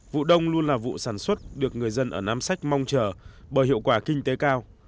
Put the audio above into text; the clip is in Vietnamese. vụ đông luôn là vụ sản xuất được người dân ở nam sách mong chờ bởi hiệu quả kinh tế cao